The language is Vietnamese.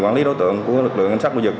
quản lý đối tượng của lực lượng ánh sát đối dực